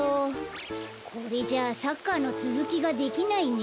これじゃサッカーのつづきができないね。